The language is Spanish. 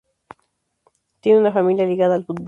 Tiene una familia ligada al fútbol.